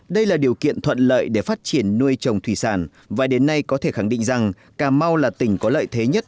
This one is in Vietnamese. đây là điều kiện thuận lợi để phát triển nuôi trồng thủy sản và đến nay có thể khẳng định rằng cà mau là tỉnh có lợi thế nhất